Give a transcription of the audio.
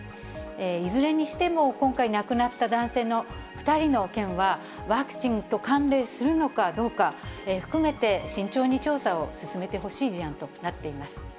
いずれにしても、今回亡くなった男性の２人の件は、ワクチンと関連するのかどうかを含めて、慎重に調査を進めてほしい事案となっています。